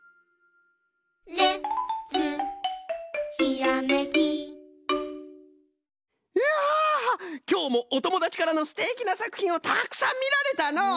いやきょうもおともだちからのすてきなさくひんをたくさんみられたのう。